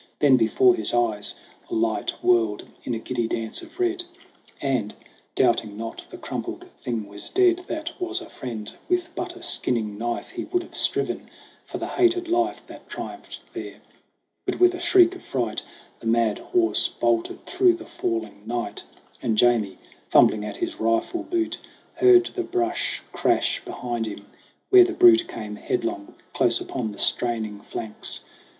Then before his eyes The light whirled in a giddy dance of red ; And, doubting not the crumpled thing was dead That was a friend, with but a skinning knife He would have striven for the hated life That triumphed there : but with a shriek of fright The mad horse bolted through the falling night, And Jamie, fumbling at his rifle boot, Heard the brush crash behind him where the brute Came headlong, close upon the straining flanks.